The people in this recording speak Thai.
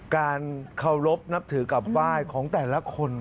การเคารพนับถือกับไหว้ของแต่ละคน